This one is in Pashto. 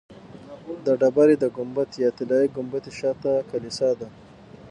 د ډبرې د ګنبد یا طلایي ګنبدې شاته د کلیسا ده.